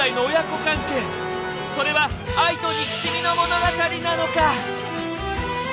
それは愛と憎しみの物語なのか？